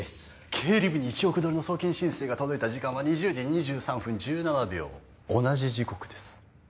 経理部に１億ドルの送金申請が届いた時間は２０時２３分１７秒同じ時刻です